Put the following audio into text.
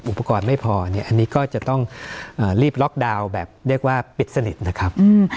อุปกรณ์ไม่พอเนี่ยอันนี้ก็จะต้องรีบล็อกดาวน์แบบเรียกว่าปิดสนิทนะครับ